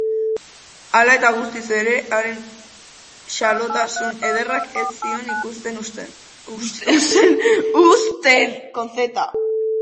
Hala eta guztiz ere, haren xalotasun ederrak ez zion ikusten uzten.